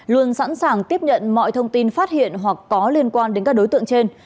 luôn sẵn sàng tiếp nhận mọi thông tin phát hiện hoặc có liên quan đến các đối tượng trên